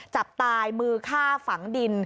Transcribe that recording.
จับตายมือฆ่าฝังดิน